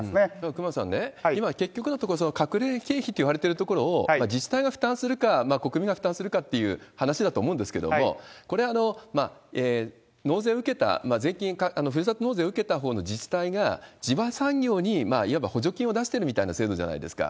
熊野さんね、今、結局のところ、隠れ経費といわれてるところを自治体が負担するか、国民が負担するかという話だと思うんですけれども、これ、納税受けた、ふるさと納税を受けたほうの自治体が、地場産業にいわば補助金を出してるみたいな制度じゃないですか。